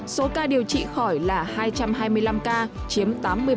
số ca điều trị khỏi là hai trăm hai mươi năm ca chiếm tám mươi ba